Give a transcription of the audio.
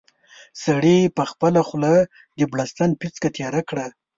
سړي په خپله خوله د بړستن پېڅکه تېره کړه.